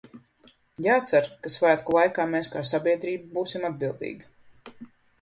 Jācer, ka svētku laikā mēs kā sabiedrība būsim atbildīga.